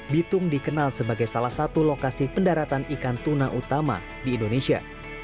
bitung dikenal sebagai salah satu lokasi pendaratan ikan tuna utama di indonesia